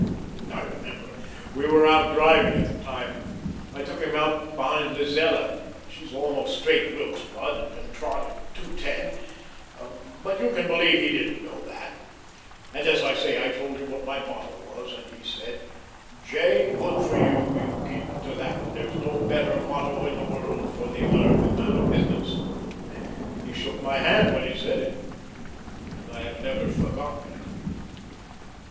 "' I remember we were out driving at the time, I took him out behind Lizella she's almost straight Wilkes' blood and can trot in two ten, but you can believe he didn't know that and, as I say, I told him what my motto was, and he said, 'J., good for you; you keep to that. There's no better motto in the world for the American man of business.' He shook my hand when he said it, and I haven't ever forgotten it."